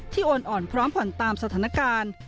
โอนอ่อนพร้อมผ่อนตามสถานการณ์